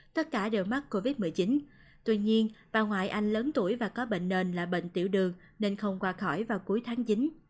tất cả đều mắc covid một mươi chín tuy nhiên bà ngoại anh lớn tuổi và có bệnh nền là bệnh tiểu đường nên không qua khỏi vào cuối tháng chín